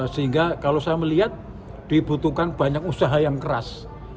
sehingga kalau saya melihat dibutuhkan banyak usaha yang keras